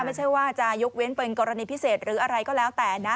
ไม่ใช่ว่าจะยกเว้นเป็นกรณีพิเศษหรืออะไรก็แล้วแต่นะ